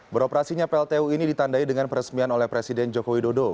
beroperasinya pltu ini ditandai dengan peresmian oleh presiden joko widodo